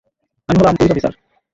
আমি হলাম police officer.